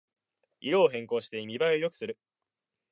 色を変更して見ばえを良くする